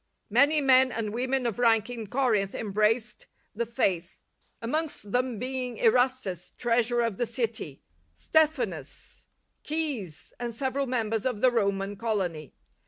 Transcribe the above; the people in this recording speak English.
Many men and women of rank in Corinth embraced the Faith, amongst them being Erastus, treasurer of the city, Stephanas, Caius, and several members of the Roman colony.